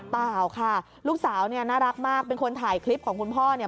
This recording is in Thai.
เปล่าค่ะลูกสาวเนี่ยน่ารักมากเป็นคนถ่ายคลิปของคุณพ่อเนี่ย